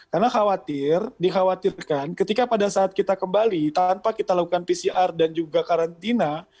karena khawatir dikhawatirkan ketika pada saat kita kembali tanpa kita lakukan pcr dan juga karantina